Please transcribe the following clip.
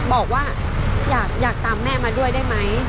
บอกว่าอยากตามแม่มาด้วยได้ไหม